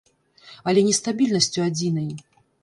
Але не стабільнасцю адзінай.